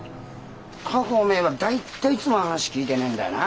ったくおめえは大体いつも話聞いてねえんだよな。